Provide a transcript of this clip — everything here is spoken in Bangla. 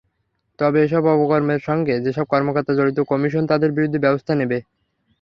তবে এসব অপকর্মের সঙ্গে যেসব কর্মকর্তা জড়িত, কমিশন তাঁদের বিরুদ্ধে ব্যবস্থা নেবে।